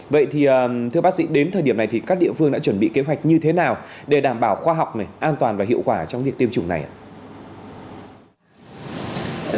vậy thì thưa bác sĩ đến thời điểm này thì các địa phương đã chuẩn bị kế hoạch như thế nào để đảm bảo khoa học này an toàn và hiệu quả trong việc tiêm chủng này ạ